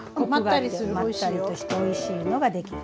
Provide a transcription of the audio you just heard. まったりとしたおいしいのが出来る。